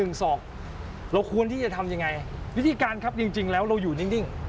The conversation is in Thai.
เราควรจะทำอย่างไรวิธีการครับจริงแล้วเราอยู่ดิ้ง